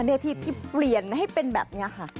ในที่ที่เปลี่ยนให้เป็นแบบนี้ค่ะ